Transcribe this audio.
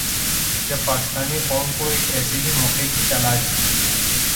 جب پاکستانی قوم کو ایک ایسے ہی موقع کی تلاش تھی۔